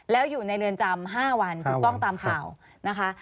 แล้วอยู่ในเรือนจำ๕วันถูกต้องตามข่าวนะคะ